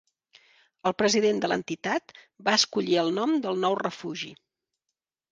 El president de l'entitat va escollir el nom del nou refugi.